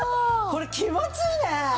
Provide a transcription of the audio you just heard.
これ気持ちいいね！